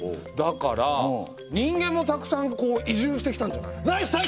だから人間もたくさん移住してきたんじゃない？